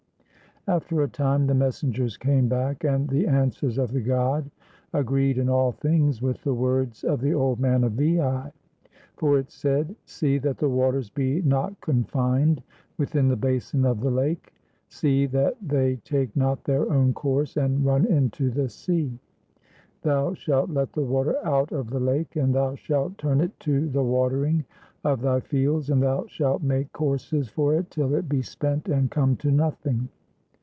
After a time the messengers came back, and the an swers of the god agreed in all things with the words of the old man of Veii, For it said, "See that the waters be not confined within the basin of the lake: see that they take not their own course and run into the sea. Thou shalt let the water out of the lake, and thou shalt turn it to the watering of thy fields, and thou shalt make courses for it till it be spent and come to nothing."